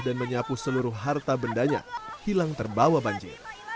dan menyapu seluruh harta bendanya hilang terbawa banjir